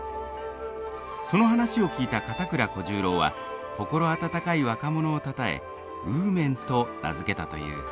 その話を聞いた片倉小十郎は心温かい若者をたたえ温麺と名付けたという。